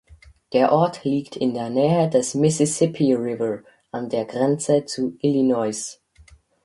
Der Ort liegt in der Nähe des Mississippi River an der Grenze zu Illinois.